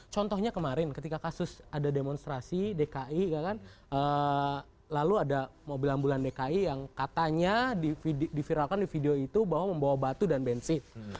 contohnya kemarin ketika kasus ada demonstrasi dki lalu ada mobil ambulan dki yang katanya diviralkan di video itu bahwa membawa batu dan bensin